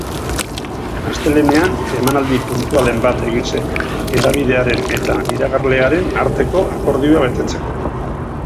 Astelehenean emanaldi puntualen bat egin zen, hedabidearen eta iragarlearen arteko akordioa betetzeko.